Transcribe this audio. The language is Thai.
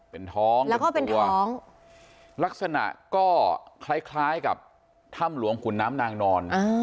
เป็นท้องแล้วก็เป็นท้องลักษณะก็คล้ายกับถ้ำหลวงขุนน้ำนางนอน